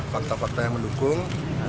fakta fakta yang mendukung